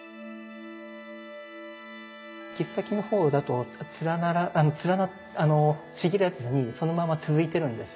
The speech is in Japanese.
切先のほうだとちぎれずにそのまま続いてるんですよ。